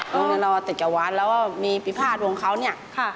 ตอนนี้เราติดกระวัติแล้วว่ามีปิภาษณ์วงเขาเนี่ย